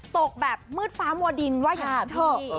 ตกแบบมืดฟ้ามัวดินว่าอย่างนั้นเถอะ